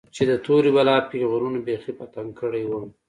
چې د تورې بلا پيغورونو بيخي په تنگ کړى وم.